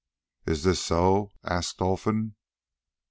"Is this so?" asked Olfan.